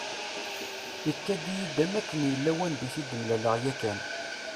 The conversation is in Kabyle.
Ikad-iyi-d am akken yella wanda i tt-id-mlaleɣ yakan.